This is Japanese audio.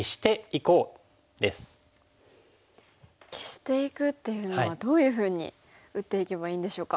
消していくっていうのはどういうふうに打っていけばいいんでしょうか。